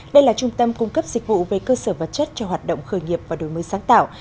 đây là trung tâm cung cấp dịch vụ về cơ sở vật chất cho hoạt động khởi nghiệp và đổi mới sáng tạo